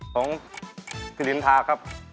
ของกิรินทาครับ